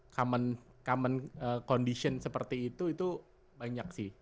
common condition seperti itu itu banyak sih